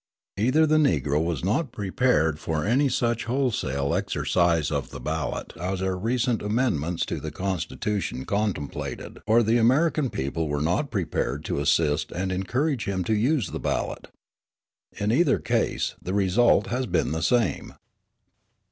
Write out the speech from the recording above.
Either the Negro was not prepared for any such wholesale exercise of the ballot as our recent amendments to the Constitution contemplated or the American people were not prepared to assist and encourage him to use the ballot. In either case the result has been the same.